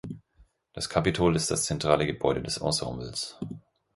Das Kapitol ist das zentrale Gebäude des Ensembles.